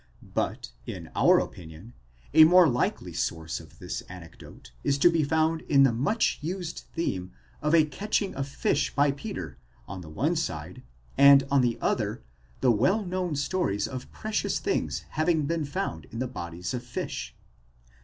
*! But, in our opinion, a more likely source of this anecdote is to be found in the much used theme of a catching of fish by Peter, on the one side, and on the other, the well known stories of precious things having been found in the bodies of fish.